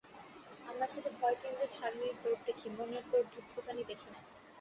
আমরা শুধু ভয়কেন্দ্রিক শারীরিক দৌড় দেখি, মনের দৌড়, ধুকপুকানি দেখি না।